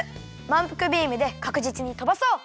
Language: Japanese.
まんぷくビームでかくじつにとばそう。